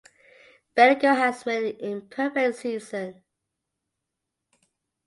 Bendigo has made an imperfect season.